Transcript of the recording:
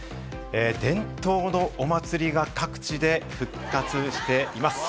伝統のお祭りが各地で復活しています。